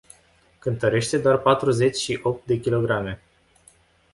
Cântărește doar patruzeci și opt de kilograme.